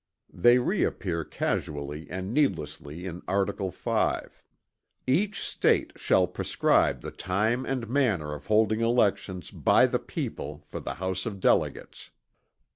They reappear casually and needlessly in article 5: "Each State shall prescribe the time and manner of holding elections by the people for the House of Delegates."